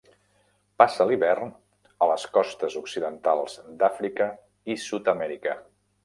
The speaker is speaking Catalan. Passa l'hivern a les costes occidentals d'Àfrica i Sud-amèrica.